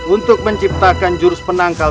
untuk menciptakan jurus penangkal